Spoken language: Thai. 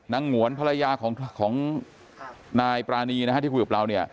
นางหวนภรรยาของนายปรานีที่คุยกับเรา